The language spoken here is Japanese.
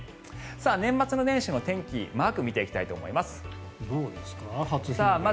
年末年始の天気マークを見ていきたいと思います。